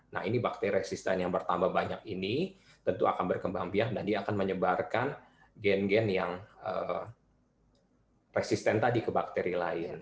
nah ini bakte resisten yang bertambah banyak ini tentu akan berkembang biak dan dia akan menyebarkan gen gen yang resisten tadi ke bakteri lain